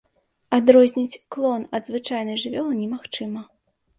Адрозніць клон ад звычайнай жывёлы немагчыма.